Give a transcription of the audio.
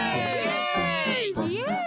イエイ！